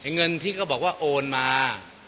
เงินที่เขาบอกว่าโอนมา